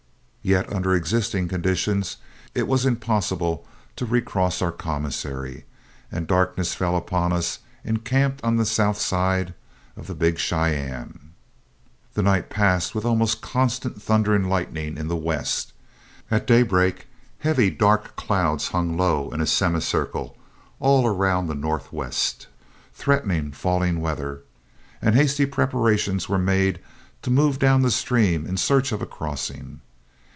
Yet under existing conditions it was impossible to recross our commissary, and darkness fell upon us encamped on the south side of the Big Cheyenne. The night passed with almost constant thunder and lightning in the west. At daybreak heavy dark clouds hung low in a semicircle all around the northwest, threatening falling weather, and hasty preparations were made to move down the stream in search of a crossing.